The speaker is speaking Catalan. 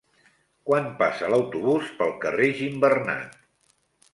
Quan passa l'autobús pel carrer Gimbernat?